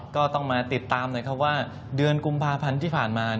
ก็ต้องมาติดตามนะครับว่าเดือนกุมภาพันธ์ที่ผ่านมา